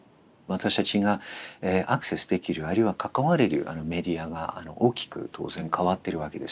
私たちがアクセスできるあるいは関われるメディアが大きく当然変わってるわけですね。